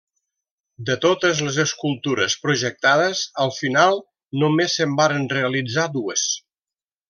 De totes les escultures projectades al final només se'n varen realitzar dues.